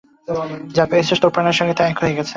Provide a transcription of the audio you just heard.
যা পেয়েছিস তোর প্রাণের সঙ্গে তা এক হয়ে গেছে।